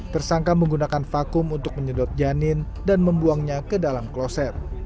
tersangka menggunakan vakum untuk menyedot janin dan membuangnya ke dalam kloset